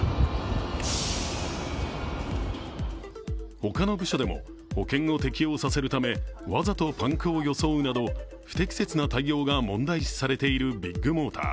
他の部署でも保険を適用させるため、わざとパンクを装うなど不適切な対応が問題視されているビッグモーター。